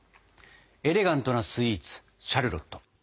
エレガントなスイーツシャルロット。